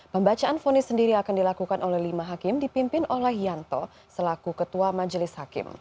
pembacaan fonis sendiri akan dilakukan oleh lima hakim dipimpin oleh yanto selaku ketua majelis hakim